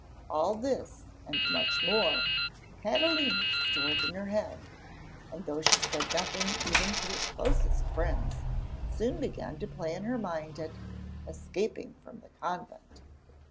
All this and much more, Catalina stored in her head, and, though she said nothing even to her closest friends, soon began to play in her mind at 'escaping from the convent.'